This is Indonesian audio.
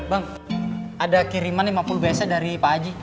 bang ada kiriman lima puluh bc dari pak haji